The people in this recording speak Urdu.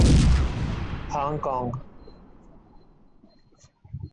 Hong Kong